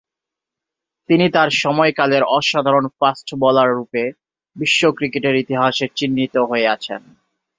তিনি তার সময়কালের অসাধারণ ফাস্ট বোলাররূপে বিশ্ব ক্রিকেটের ইতিহাসে চিহ্নিত হয়ে আছেন।